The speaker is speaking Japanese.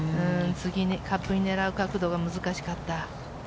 次にカップインを狙う角度が難しくなった。